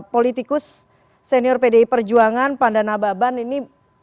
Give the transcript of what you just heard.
politikus senior pdi perjuangan pandana baban ini